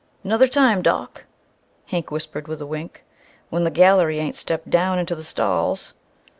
"'Nother time, Doc!" Hank whispered, with a wink, "when the gallery ain't stepped down into the stalls!"